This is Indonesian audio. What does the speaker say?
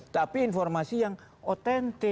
tapi informasi yang otentik